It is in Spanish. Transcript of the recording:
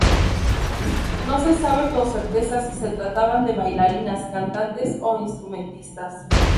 No se sabe con certeza si se trataban de bailarinas, cantantes o instrumentistas.